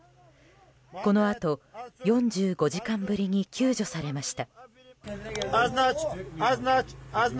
このあと４５時間ぶりに救助されました。